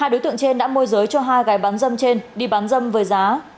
hai đối tượng trên đã môi giới cho hai gái bán dâm trên đi bán dâm với giá